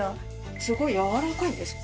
すごいやわらかいですね。